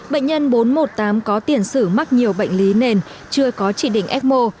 bệnh nhân bốn trăm một mươi tám có tiền sử mắc nhiều bệnh lý nền chưa có chỉ định ecmo